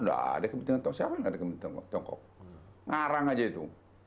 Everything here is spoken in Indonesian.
tidak ada kepentingan tiongkok siapa nggak ada kepentingan tiongkok ngarang aja itu